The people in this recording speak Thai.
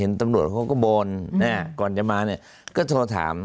เห็นตำรวจเขาก็โบนเนี่ยก่อนจะมาเนี่ยก็โทรถาม